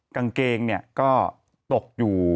กางเกงก็ตกอยู่